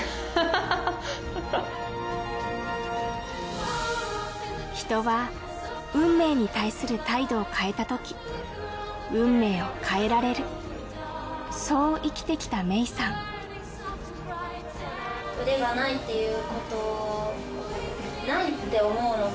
ハハハ人は運命に対する態度を変えた時運命を変えられるそう生きてきたメイさん腕がないっていうことないって思うのか